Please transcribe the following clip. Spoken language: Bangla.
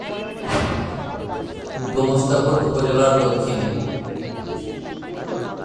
গোমস্তাপুর উপজেলার দক্ষিণে।